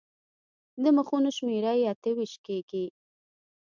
د مخونو شمېره یې اته ویشت کېږي.